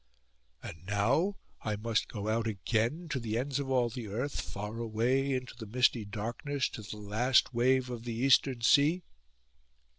And now I must go out again, to the ends of all the earth, far away into the misty darkness, to the last wave of the Eastern Sea.